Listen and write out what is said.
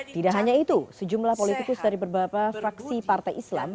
tidak hanya itu sejumlah politikus dari beberapa fraksi partai islam